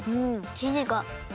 きじが。